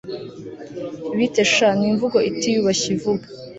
Bite sha Ni imvugo itiyubashye ivuga